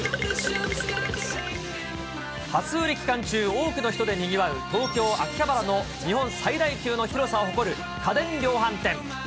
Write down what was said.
初売り期間中、多くの人でにぎわう東京・秋葉原の日本最大級の広さを誇る家電量販店。